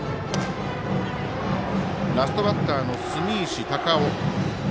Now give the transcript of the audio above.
ラストバッターの住石孝雄。